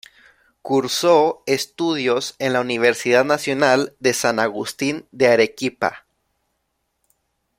Cursó estudios en la Universidad Nacional de San Agustín de Arequipa.